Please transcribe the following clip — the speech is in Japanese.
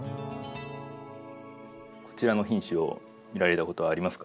こちらの品種を見られたことはありますか？